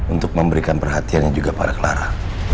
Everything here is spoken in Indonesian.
untuk memberikan perhatiannya juga para clara